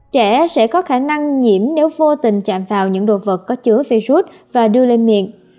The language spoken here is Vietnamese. trẻ sẽ có khả năng nhiễm nếu vô tình chạm vào những đồ vật có chứa virus và đưa lên miệng